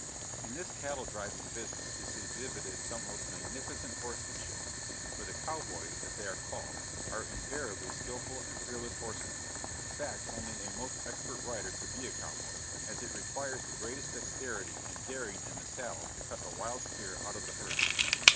In this cattle driving business is exhibited some most magnificent horsemanship, for the "cow boys," as they are called, are invariably skillful and fearless horsemen in fact only a most expert rider could be a cow boy, as it requires the greatest dexterity and daring in the saddle to cut a wild steer out of the herd.